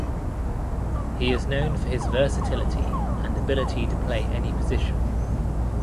He is known for his versatility and ability to play any position.